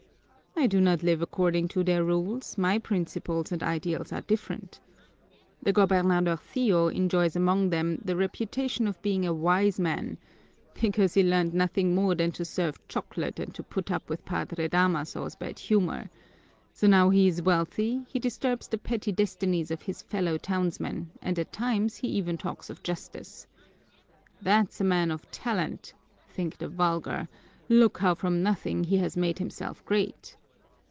I do not live according to their rules, my principles and ideals are different. The gobernadorcillo enjoys among them the reputation of being a wise man because he learned nothing more than to serve chocolate and to put up with Padre Damaso's bad humor, so now he is wealthy, he disturbs the petty destinies of his fellow townsmen, and at times he even talks of justice. 'That's a man of talent,' think the vulgar, 'look how from nothing he has made himself great!'